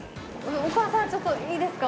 お母さんちょっといいですか？